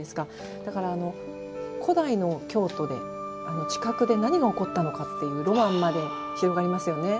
だから古代の京都で近くで何が起こったのかというロマンまで広がりますよね。